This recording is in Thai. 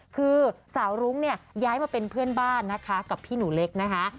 คือสาวรุ้งเนี่ยย้ายมาเป็นเพื่อนบ้านนะคะกับพี่หนูเล็กนะคะ